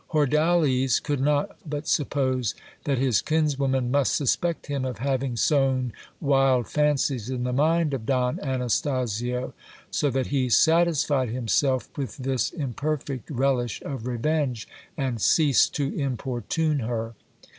Hordales could not but suppose that his kinswoman must suspect him of having sown wild fancies in the mind of Don Anastasio ; so that he satisfied himself with this imperfect relish of revenge, and ceased to importune her.